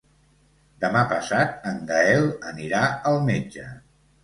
Demà passat en Gaël anirà al metge.